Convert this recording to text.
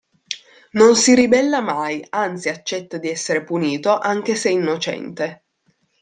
Non si ribella mai, anzi accetta di essere punito anche se innocente.